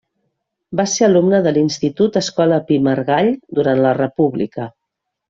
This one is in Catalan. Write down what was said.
Va ser alumne de l'Institut Escola Pi i Margall durant la República.